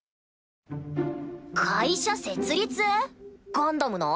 ガンダムの？